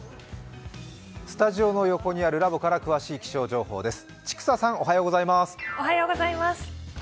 スタジオの横にあるラボから詳しい気象情報です。